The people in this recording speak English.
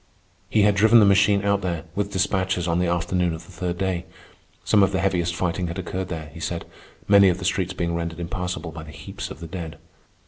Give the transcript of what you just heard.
He had driven the machine out there, with despatches, on the afternoon of the third day. Some of the heaviest fighting had occurred there, he said, many of the streets being rendered impassable by the heaps of the dead.